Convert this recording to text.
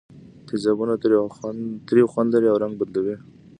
تیزابونه تریو خوند لري او رنګ بدلوي.